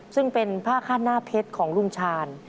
ซึ่งเป็นผ้าคาดหน้าเพชรของลุงชาญ